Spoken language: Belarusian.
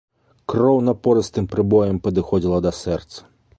Кроў напорыстым прыбоем падыходзіла да сэрца.